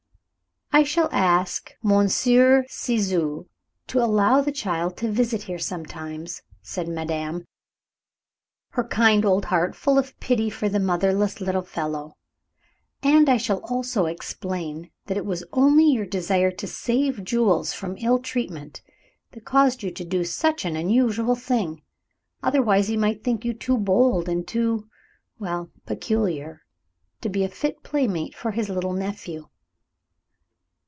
"I shall ask Monsieur Ciseaux to allow the child to visit here sometimes," said madame, her kind old heart full of pity for the motherless little fellow; "and I shall also explain that it was only your desire to save Jules from ill treatment that caused you to do such an unusual thing. Otherwise he might think you too bold and too well, peculiar, to be a fit playmate for his little nephew."